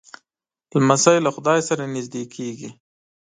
لمسی له خدای سره نږدې کېږي.